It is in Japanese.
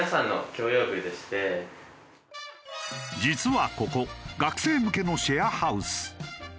実はここ学生向けのシェアハウス。